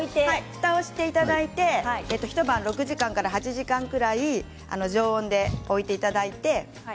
ふたをしておいて一晩６時間から８時間くらい常温で置いていただいて。